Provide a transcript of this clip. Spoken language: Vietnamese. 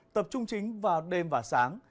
tập trung chính vào đêm và sáng